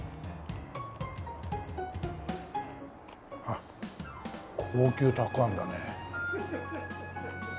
あっ高級たくあんだね。